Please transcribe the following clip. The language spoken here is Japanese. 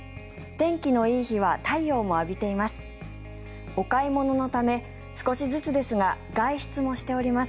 天気のいい日は太陽も浴びています。